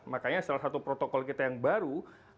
makanya salah satu protokol kita yang baru